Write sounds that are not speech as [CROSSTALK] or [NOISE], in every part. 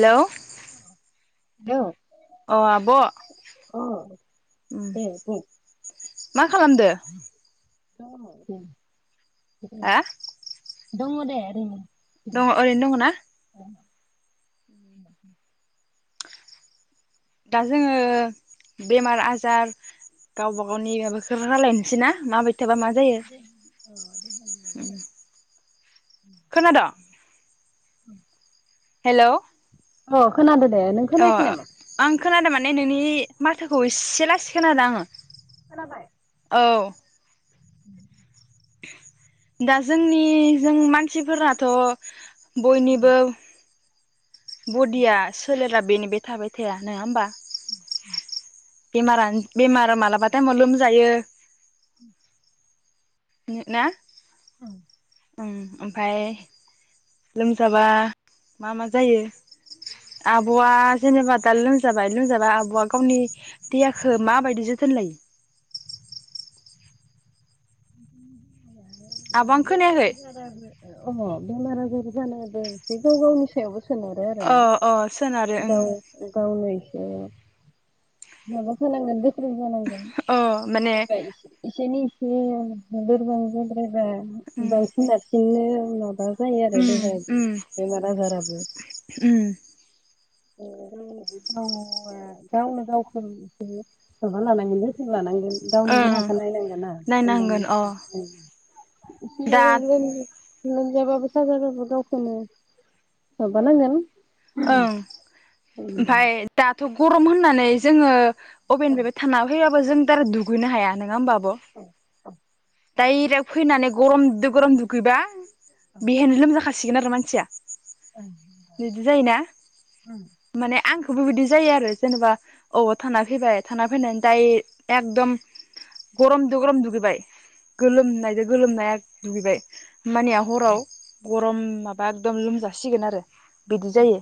Hello. [INAUDIBLE] Hello. अ आब अ ओम। दे बुं मा खालामदो? दङो उम जिखुनु हा दङ दे ओरैनो। दङ ओरैनो दङ ना? औ दा जोङो बेमार आजार गावबा गावनि माबाखौ रायजलायनोसै ना माबायदि, थाबा मा जायो देहा अ देहानि बागै खोनादो? उम हेलौ औ खोनादो दे नों अ खोनायाखै नामा? आं खोनादों माने नोंनि माथोखौ इसे लासै खोनादों आङो, खोनाबाय, औ बि दा जोंनि जों मानसिफोराथ' बयनिबो, बदिया सोलेरा बेनि बे थाबाय थाया नङा होमबा, उम बेमारानो बेमार मालाबा थायेमाव लोमजायो, ना, उम ओमफ्राय लोमजाबा मा मा जायो आबआ जेनेबा दा लोमजाबाय लोमजाबा आबआ गावनि देहाखौ माबायदि जोथोन लायो? [UNINTELLIGIBLE] आब' आं खोनायाखै आ अ बेमार आजार जानो होदों बे गाव गावनि सायावबो, सोनहरो अ आरोना अ सोनारो ओं गाव गावनै, ए माबा फोनांगोन दै गोरों जानांगोन अ माने गोखै इसोनि [UNINTELLIGIBLE] लोरबां, हेजा उम बावथिं दाबसिंनो, माबा जायो आरो उम देहायाबो उम बेमार आजाराबो, उम गावनो गावखौ एसे माबा लानांगोन लै, लानांगोन दावनि ओं देहाखौ नायनांगोना नायनांगोन अ होमबानो एसे दा लोमजाबाबो साजाबाबो गावखौनो नो माबा नांगोन औ ओमफाय दाथ गरम होननानै जोङो अभेननि थाना फैबाबो जों दारा दुगैनो हाया नङा होमबा [INAUDIBLE] डाइरेट फैनानै गरमदो गरम दुगैबा बेहायनो लोमजा खागोन सिगोन आरो मानसिया [INAUDIBLE] जायोना माने आंखौबोबायदि जायो आरो जेनेबा औ थाना फैबाय थाना फैनानै दाय एकदम गरमजों गरम दुगैबाय गोलोमनायजों गोलोमनाय दुगैबाय मानिया हराव गरम माबा एखदम लोमजासिगोन आरो बिदि जायो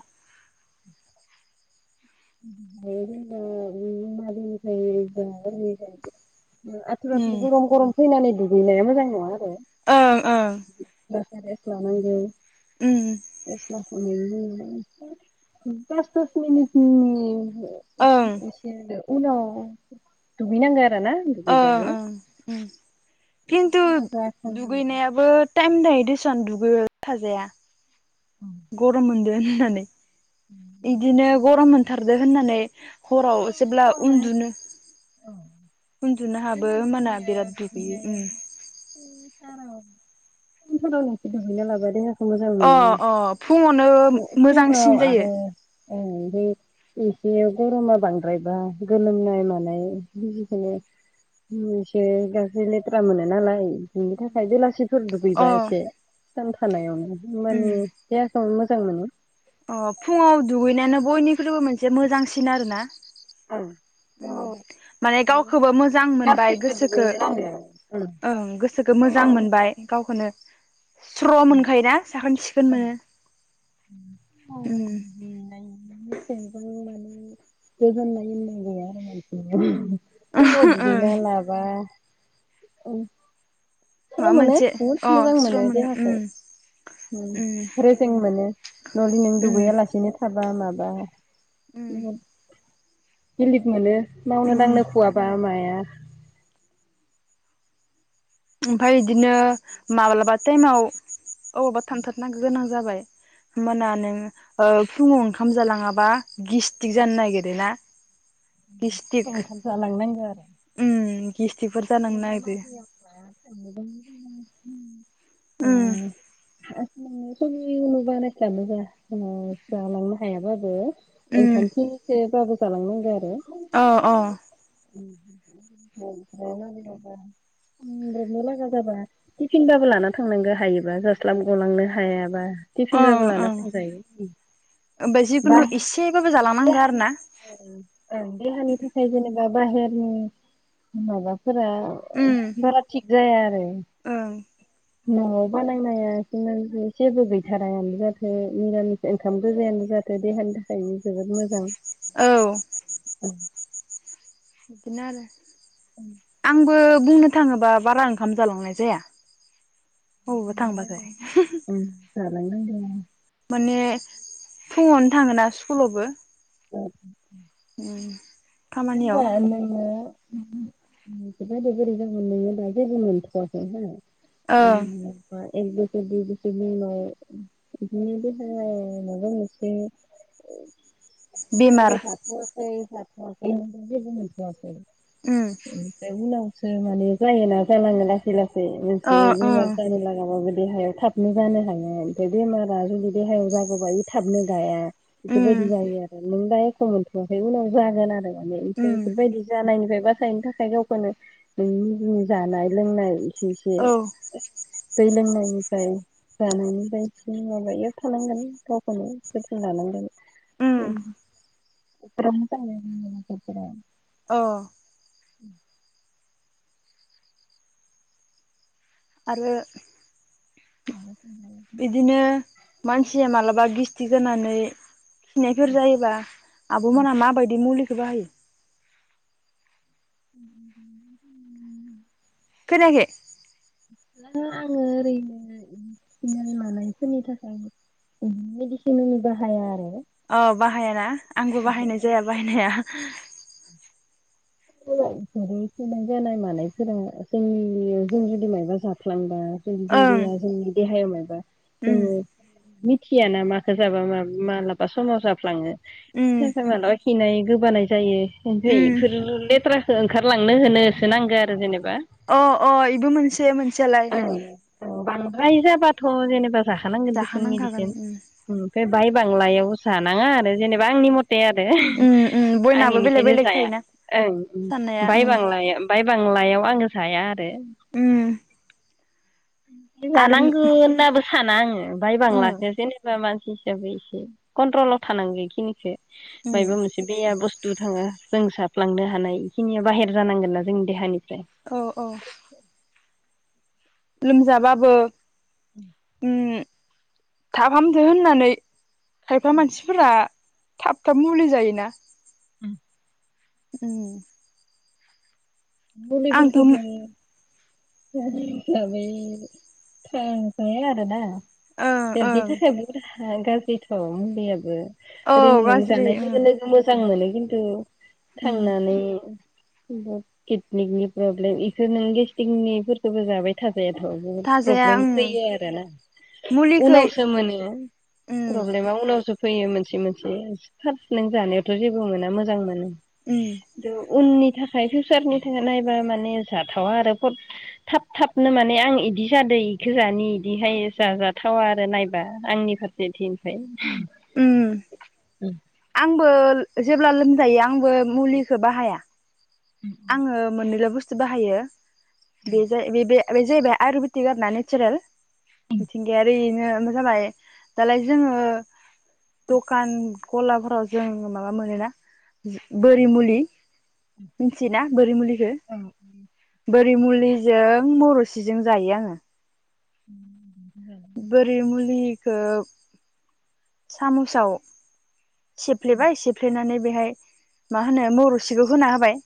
[UNINTELLIGIBLE] आथुर आथुर उम गरम गरम फैनानानै दु [UNINTELLIGIBLE] नाया मोजां नङा आरो ओं ओं दसे रेस्ट लानांगौ उम [UNINTELLIGIBLE] [UNINTELLIGIBLE] नि उम ओं [UNINTELLIGIBLE] एसे आरो उनाव दुगै नांगो आरो ना दुगैबाबो ओं ओं खिनथु थान्दा जाथारनांगौ दुगैनायाबो टाइम थायो दिसन दुगै [UNINTELLIGIBLE] थाजाया गरम मोनदो होननानै इदिनो गरम मोनथारदो होननानै हराव फुंनि जेब्ला समावनो उन्दुनो उन्दुनो हाबो जेब्ला होमबाना दुगैनाया बिराद दुगैयो उम [UNINTELLIGIBLE] लाबाय दङो अ अ फुङावनो मोजांसिन जायो ओमफ्राय एसे गरमा बांद्रायबा गोलोमनाय मानाय निजिखनो एसे गाज्रि लेथ्रा मोनो नालाय बिनि थाखाय बेलासिफोर अ दुगैबा एसे सान थानायावनो उम [UNINTELLIGIBLE] देहाखौ मोज स्रां मोनो अ फुङाव दुगैनायानो बयनिख्रुइबो मोनसे मोजांसिन आरो ना। औ उम माने गावखोबो मोजां मोनबाय गासैबो गोसोखो दुगैनो नांगौ ओं गोसोखो मोजां मोनबाय गावखोनो [INAUDIBLE] [INAUDIBLE] सिखोन मोनो उम फुङाव ओं दुगैना लाबा औ। स्र माबा मोनो मोनसे अ बुहुत मोजां स्र' मोनो देहाखौ। उम उम रेजें मोनो। नलि नों उम दुगैयालासिनो हाबा माबा उम। गिलिद मोनो मावनो उम दांनो खुहाबा माया [INAUDIBLE] ओमफाय इदिनो माब्लाबा टाइमाव अबावबा थांथार नांगो गोनां जाबाय होमबाना नों ओ फुङाव ओंखाम जालाङाबा गिस्टिक जानो नागिरो ना। गिस्टिक ओंखाम जालांनांगोन। उम। गिस्टिकफोर जानो नागिरो [INAUDIBLE] [INAUDIBLE] उम नोङो [UNINTELLIGIBLE] बानायस्लाबनोबा जोङो जालांनो हायाबाबो हो ओंखामखिनिखोबाबो जालांनांगौ आरो औ अ। [INAUDIBLE] [UNINTELLIGIBLE] लागा जाबा टिफिन बाबो लाना थांनांगौ हायोबा जास्लाब गलांनो हायाबा। टिफिन बाबो ओं लाना ओं थांजायो ओम ओमफ्राय बा जिखुनु एसेबाबो जालांनांगौ आरो देहानि ना ओं ओं देहानि थाखाय जेने बा बाहेरनि माबा फोरा उम बारा थिग जाया आरो ओं। न'आव बानायनाया [UNINTELLIGIBLE] जेबो गैथारायानो जाथों मिरामिस ओंखाम गोजायानो जाथों देहानि थाखाय जोबोद मोजां। औ। ओं इदिनो आरो। आंबो। बुंनो थाङोबा बारा ओंखाम जालांनाय जाया। अबावबा थांबाथाय [UNINTELLIGIBLE] ओम। जालांनांदों। माने फुङावनो थाङोना स्कुलावबो। [INAUDIBLE] ओम। होनबा नोङो। बोरै बोरै जागोन नोङो दा जेबो मोनथवाखैहो। [UNINTELLIGIBLE] ओं [UNINTELLIGIBLE] एक बोसोर दुय बोसोरनि उनाव बिदिनो देहाया माबा मोनसे बेमार [UNINTELLIGIBLE] [UNINTELLIGIBLE] [UNINTELLIGIBLE] [UNINTELLIGIBLE] सो उम माने जायोना जालाङो लासै लासै। ओ ओ [UNINTELLIGIBLE] देहायाव थाबनो जानो हायो ओमफ्राय बेमारा जुदि देहायाव जागबा बे थाबनो गाया। उम बिफोरबायायदि जायो आरो नों दा एख मोनथवाखै उनाव जागोन आरो। माने ओमफ्राय उम बेफोरबायदि जानायनिफ्राय बासायनो थाखाय गावखौनो नोंनि जि जानाय लोंनाय औ [UNINTELLIGIBLE] दैलोंनो गावनिफ्राय जानायनि बायदिसिना माबायाव थानांगोन गावखौनो जोथोन लानांगोन। उम। [UNINTELLIGIBLE] बे [UNINTELLIGIBLE] औ। [UNINTELLIGIBLE] आरो। [UNINTELLIGIBLE] बिदिनो। मानसिया मालाबा गिस्थि जानानै खिनायफोर जायोबा आबमोनहा माबायदि मुलि खौ बाहायो। [UNINTELLIGIBLE] खोनायाखै? आङो ओरैनो इदि खिनाय मानायफोरनि थाखाय मेडिसिन इदिनि बाहाया आरो अ बाहायाना आंबो बाहायनाय जाया बाहायनाया। जेरै [UNINTELLIGIBLE] खिनाय जानाय मानायफोरा जोंनि जों जुदि मायबा जाफ्लांबा [UNINTELLIGIBLE] ओं जोंनि देहायाव मायबा [UNINTELLIGIBLE] औ उम मिथियाना माखो जाबा मालाबा समाव जाफ्लाङो उम [UNINTELLIGIBLE] खिनाय गोबानाय जायो। ओमफ्राय उम इफोर लेथ्राखौ ओंखारलांनो होनोसो नांगौ आरो जेनेबा अ अ बेबो मोनसे मोनसेयालाय राय जाबाथ' जेनेबा जाखानांगोन देसन जाखानांखागोन मेडिसिन उम ओमफ्राय बाय बांलायावबो सानाङा आरो जेनेबा आंनि म'थ ते आरो उम उम आं बयनाबो बेलेग इनिखायनो बेलेग जाया थायोना ओं साननाया उम बायबांला बाय बांलायाव। आङो जाया आरो उम आरो जानांगोन होनाबो साना आङो उम बायबांलाखो जेनेबा मानसि हिसाबै एसे कन्ट्रलाव थानांगौ इखिनिखो उम बायबा मोनसे बेआ बुस्थु थु थाङो जों जाफ्लांनो हानाय इखिनिया बाहेर जानांगोन ना जोंनि देहानि औ औ लोमजाबाबो उम थाब हामथों होननानै खायफा मानसिफोरा थाब थाब मुलि जायोना उम उम आंथ' मुलिफोरखौ ओं जायो। बै खौ जायो आरोना। [INAUDIBLE] ओं ह गाज्रिथ' उन्दैयाबो। औ ओरैनो नों गाज्रि जानाय उम लोगो लोगो मोजां मोनो। [UNINTELLIGIBLE] उम थांनानै। किटनिनि प्रब्लेम इखो होनो गेसटिकनि फोरखौबो जाबाय थाजाया थाजायाथ' बहुद थाजाया प्रब्लेम उम फैयो आरोना मुलिखै उनावसो मोनो उम प्रब्लेमा उनावसो। फैयो मोनसे मोनसे थार नों जानायावथ' जेबो मोना मोजां मोनो। उम। उननि थाखाय फिउसारनि थाखाय नायबा माने जाथावा आरो थाब थाबनो माने आं इदि जादो इखो जानि इदिहाय जाजाथावा आरो नायबा आंनि फारसेथिंनिफ्राय उम। आंबो जेब्ला लोमजायो आंबो मुलिखौ बाहाया। आङो मोननैल बुस्थु सो बाहायो। बे जाय बै-बे जाहैबाय आयुरवेदिक आर ना नेचारेल मिथिंगायारि नो जाबाय दालाय जोङो दखान गलाफोराव जों माबा मोनोना बोरि मुलि मोनथियोना बरिमुलि खो बोरि मुलिजों मौरोसिजों जायो आङो। बोरि मुलि। खो सामुसआव सिफ्लेबाय सेफ्लेनानै बेहाय मा होनो मौरुसिखौ होना होबाय।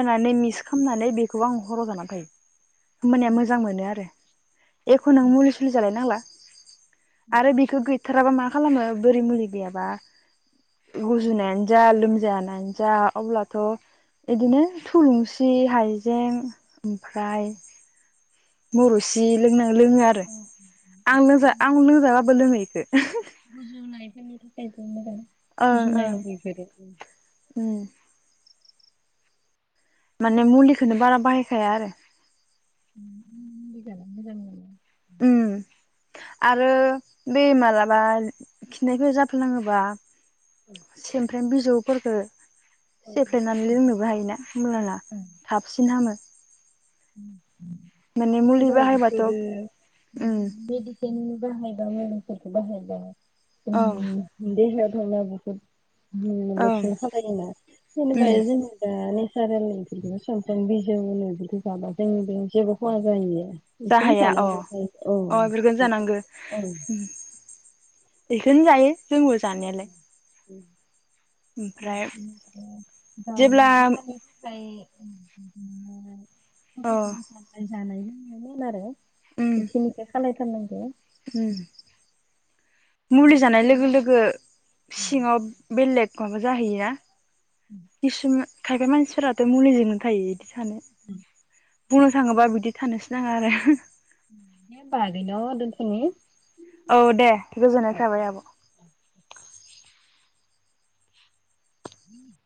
होनानै मिस खालामनानै बेखौ आं हराव जाना थायो। होमबानिया मोजां मोनो आरो। एखनों मुलि सुलि जालाय नांला। आरो बेखो गै बोथाराबा मा खालामो बोरै मुलि गैया बा गुजुनाय आनो जा लोम जानायानो जा अब्लाथ' बिदिनो थुलुंसि हाइजें ओमफ्राय मौ रोसि लों लोंङो आरो आं लोंजा आं लोंजाबाबो लोङो इखो मोननि थाखाय जि मोजां ओं ओं उम माने मुलिखोनो बारा बाहायखाया आरो [UNINTELLIGIBLE] मोजां मोनो उम आरो बे मालाबा खिनायफोर जाफ्लांङोबा सेमफ्रेम बिजौ फोरखो सेफ्लेनानै लोंनोबो हायोना होमब्लाना थाबसिन हामो। उम माने मुलि बाहायबाथ' [UNINTELLIGIBLE] उम मेडिसिन बाहायबाबो [UNINTELLIGIBLE] उम ओं देहाया [UNINTELLIGIBLE] बुहुद ओं लगसन खालायोना जेनेबा उम जों दा [UNINTELLIGIBLE] बिजौ होनो बिखौ जाबा जों बे जेबो खहा जाहैया जा हाया अ अ इफोरखोनो जानांगो। औ इखोनो जायो। जोंबो जानायालाय। [INAUDIBLE] [UNINTELLIGIBLE] [UNINTELLIGIBLE] [UNINTELLIGIBLE] ओमफ्राय जेब्ला अ जानाय नोङो नारो। उम मोनसे मोनसे खालाय [UNINTELLIGIBLE] उम मुलि जानाय लोगो लोगो सिङाव बेल [UNINTELLIGIBLE] माबा जाहैयो ना? इसिंया खायफा मानसिफोराथ मुलिजोंनो थायो सानो बुंनो थाङोबा बिदि थानोसो नाङा आरो बिनो औ दे गोजोननाय थाबाय आब' [UNINTELLIGIBLE]